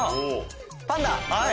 パンダ！